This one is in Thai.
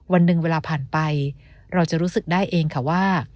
วันหนึ่งเวลาผ่านไปเราจะรู้สึกได้เองค่ะว่า